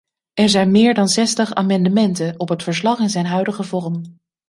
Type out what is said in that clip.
Er zijn meer dan zestig amendementen op het verslag in zijn huidige vorm.